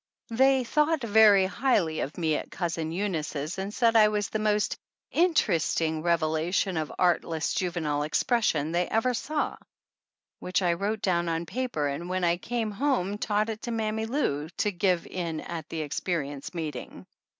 They thought very highly of me at Cousin Eunice's and said I was the most "interesting revelation of artless juve nile expression" they ever saw, which I wrote 74 THE ANNALS OF ANN down on paper and when I came home taught it to Mammy Lou to give in at the experience meeting.